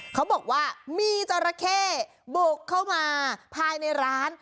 เขาบอกว่ามีจราเข้บุกเข้ามาภายในร้าน